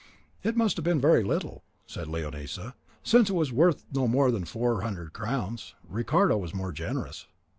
"It must have been very little," said Leonisa, "since it was worth no more than four hundred crowns. Ricardo was more generous.